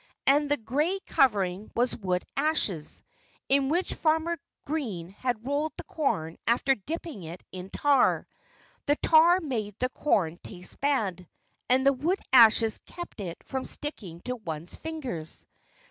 And the gray covering was wood ashes, in which Farmer Green had rolled the corn after dipping it in tar. The tar made the corn taste bad. And the wood ashes kept it from sticking to one's fingers.